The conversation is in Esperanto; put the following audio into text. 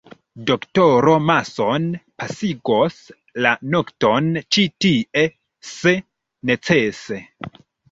Doktoro Mason pasigos la nokton ĉi tie, se necese.